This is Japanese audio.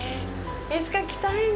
いつか来たいね。